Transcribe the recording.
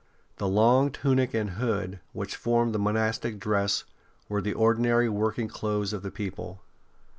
The long tunic and hood which formed the monastic dress were the ordinary working clothes of the people.